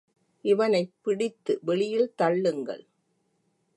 இவனைப் பிடித்து வெளியில் தள்ளுங்கள்.